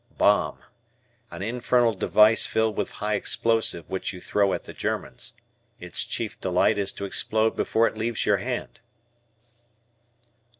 Bomb. An infernal device filled with high explosive which you throw at the Germans. Its chief delight is to explode before it leaves your hand.